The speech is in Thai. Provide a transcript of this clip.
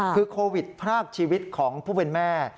คือโควิดพรากชีวิตของผู้เป็นแม่